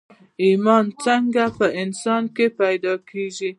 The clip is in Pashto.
ايمان څنګه په انسان کې پيدا کېږي